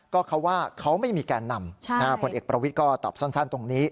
ก็เขาว่าเขาไม่มีแกนนำผลเอกประวิทย์ก็ตอบสั้นตรงนี้